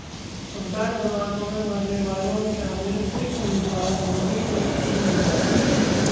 अफगान धमाकों में मरने वालों में शामिल सिख उम्मीदवार, मोदी ने की निंदा